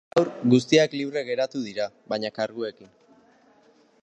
Gaur, guztiak libre geratu dira, baina karguekin.